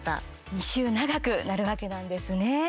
２週長くなるわけなんですね。